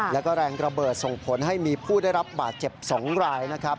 แล้วก็แรงระเบิดส่งผลให้มีผู้ได้รับบาดเจ็บ๒รายนะครับ